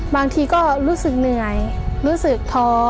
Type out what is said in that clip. บางทีก็รู้สึกเหนื่อยรู้สึกท้อ